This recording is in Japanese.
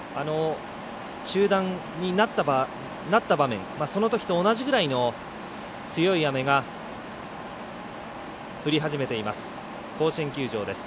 中断になった場面そのときと同じくらいの強い雨が降り始めています。